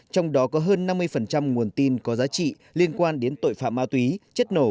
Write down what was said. trong đó có hơn năm mươi nguồn tin có giá trị liên quan đến tội phạm ma túy chất nổ